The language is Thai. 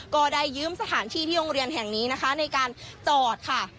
ก็ได้ยืมสถานที่ที่โรงเรียนแห่งนี้นะคะในการจอดค่ะ